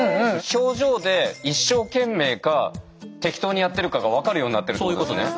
表情で「一生懸命」か「適当にやってるか」が分かるようになってるってことですね。